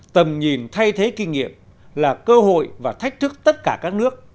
tầm nhìn thay thế kinh nghiệm là cơ hội và thách thức tất cả các nước